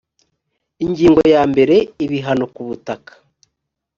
ingingo ya mbere ibihano kubutaka